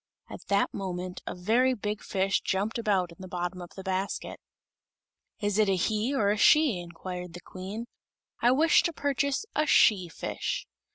At that moment a very big fish jumped about in the bottom of the basket. "Is it a he or a she?" inquired the Queen. "I wish to purchase a she fish."